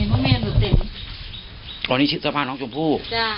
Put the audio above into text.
อันนี้ชื่อสะพานน้องจมพู่